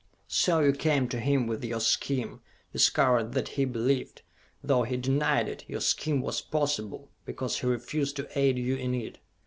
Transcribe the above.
So you came to him with your scheme, discovered that he believed, though he denied it, your scheme was possible because he refused to aid you in it!